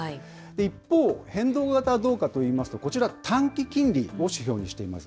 一方、変動型はどうかといいますと、こちら、短期金利を指標にしています。